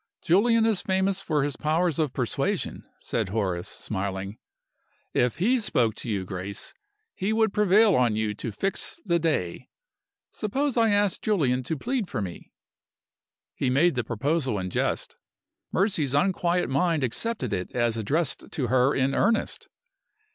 "Julian is famous for his powers of persuasion," said Horace, smiling. "If he spoke to you, Grace, he would prevail on you to fix the day. Suppose I ask Julian to plead for me?" He made the proposal in jest. Mercy's unquiet mind accepted it as addressed to her in earnest.